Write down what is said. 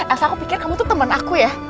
asal aku pikir kamu tuh temen aku ya